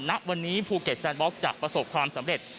ณวันนี้ภูเก็ตแซนบล็อกจะประสบความสำเร็จ